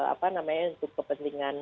apa namanya untuk kepentingan